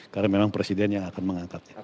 karena memang presiden yang akan mengangkatnya